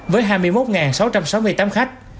với hai mươi một sáu trăm sáu mươi tám khách